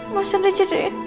mas rendy jadi